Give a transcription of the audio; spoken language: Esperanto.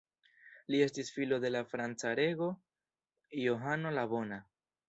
Li estis filo de la franca rego Johano la Bona.